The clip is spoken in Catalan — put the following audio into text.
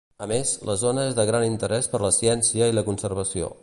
A més, la zona és de gran interès per la ciència i la conservació.